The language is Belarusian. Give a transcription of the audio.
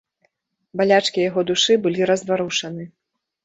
Балячкі яго душы былі разварушаны.